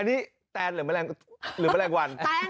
อันนี้แตนหรือแมลงวัน